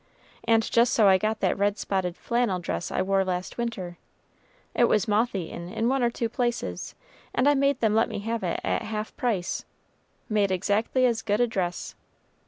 And just so I got that red spotted flannel dress I wore last winter. It was moth eaten in one or two places, and I made them let me have it at half price; made exactly as good a dress.